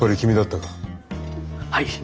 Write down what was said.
はい。